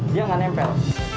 dia gak nempel